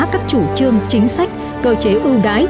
các chủ trương chính sách cơ chế ưu đái